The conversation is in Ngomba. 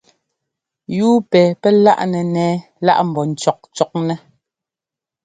Yúu pɛ pɛ́ láꞌnɛ ńnɛ́ɛ lá ḿbɔ́ ńcɔ́kcɔknɛ́.